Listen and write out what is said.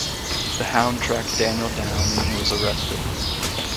The hound tracked Daniel down and he was arrested.